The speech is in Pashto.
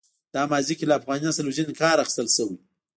دا ماضي کې له افغاني نسل وژنې کار اخیستل شوی.